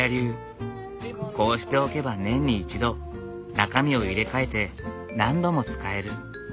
こうしておけば年に一度中身を入れ替えて何度も使える。